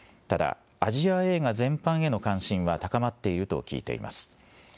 ただ、アジア映画全般への関心は高まっていると聞いています。